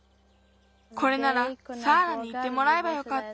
これならサーラにいてもらえばよかった。